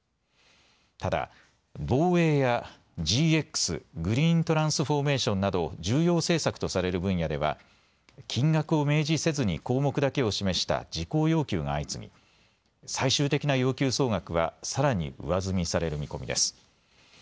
ただ防衛やＧＸ・グリーントランスフォーメーションなど重要政策とされる分野では金額を明示せずに項目だけを示した事項要求が相次ぎ、最終的な要求総額はさらに上積みされる見込みです。